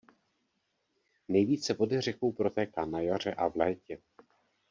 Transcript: Nejvíce vody řekou protéká na jaře a v létě.